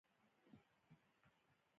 تاسو په دي ژبه پوهږئ؟